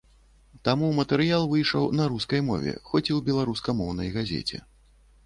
Таму матэрыял выйшаў на рускай мове, хоць і ў беларускамоўнай газеце.